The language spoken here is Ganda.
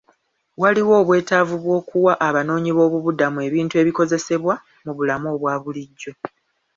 Waliwo obwetaavu bw'okuwa abanoonyiboobudamu ebintu ebikozesebwa mu bulamu obwa bulijjo.